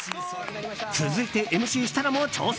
続いて、ＭＣ設楽も挑戦。